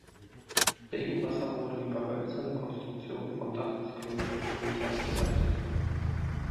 Regenwasser wurde über hölzerne Konstruktionen vom Dach des Klosters in den Teich geleitet.